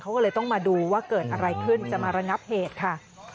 เขาก็เลยต้องมาดูว่าเกิดอะไรขึ้นจะมาระงับเหตุค่ะ